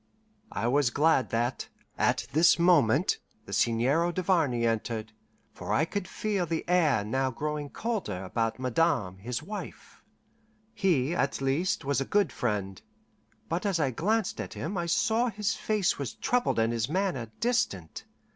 I was glad that, at this moment, the Seigneur Duvarney entered, for I could feel the air now growing colder about Madame his wife. He, at least, was a good friend; but as I glanced at him, I saw his face was troubled and his manner distant.